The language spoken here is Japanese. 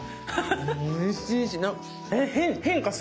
おいしいし変化する口の中で。